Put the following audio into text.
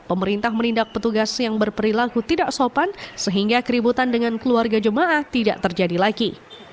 pemerintah menindak petugas yang berperilaku tidak sopan sehingga keributan dengan keluarga jemaah tidak terjadi lagi